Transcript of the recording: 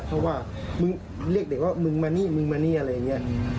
เพราะว่ามึงเรียกเด็กว่ามึงมานี่มึงมานี่อะไรอย่างนี้